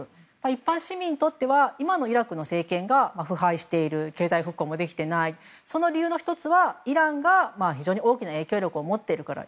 一般市民にとって今のイラクの政権が腐敗している経済復興もできていないその理由の１つはイランが非常に大きな影響力を持っているから。